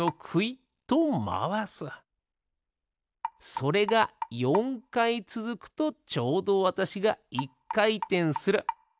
それが４かいつづくとちょうどわたしが１かいてんする。